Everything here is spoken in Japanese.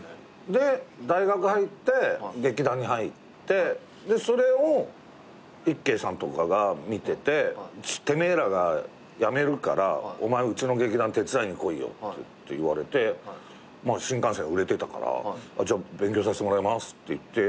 で大学入って劇団に入ってそれをいっけいさんとかが見てて「てめえらが辞めるからお前うちの劇団手伝いに来いよ」って言われてまあ新感線売れてたから「じゃあ勉強させてもらいます」って言って入って。